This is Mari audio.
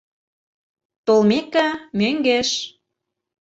Толмеке, мӧҥгеш